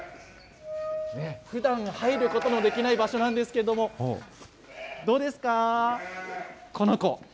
ふだん、入ることのできない場所なんですけれども、どうですか。